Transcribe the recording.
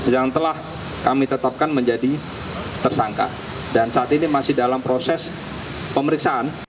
yang telah kami tetapkan menjadi tersangka dan saat ini masih dalam proses pemeriksaan